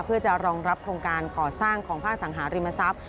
เพื่อจะรองรับโครงการก่อสร้างของภาคสังหาริมทรัพย์